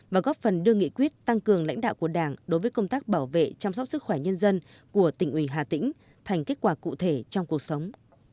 và góp phần đưa nghị quyết tăng cường lãnh đạo của đảng đối với công tác bảo vệ chăm sóc sức khỏe nhân dân của tỉnh ủy hà tĩnh thành kết quả cụ thể trong cuộc sống